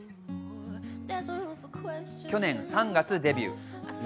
去年３月デビュー。